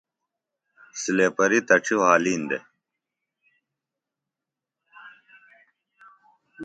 سلیپریۡ تڇیۡ وھالِین دےۡ۔